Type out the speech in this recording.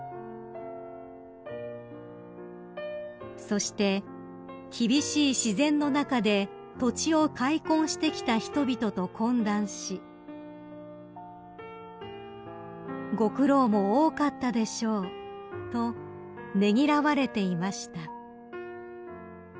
［そして厳しい自然の中で土地を開墾してきた人々と懇談し「ご苦労も多かったでしょう」とねぎらわれていました］